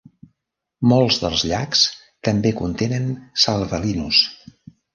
Molts dels llacs també contenen salvelinus.